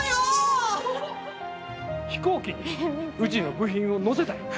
飛行機にうちの部品を載せたい。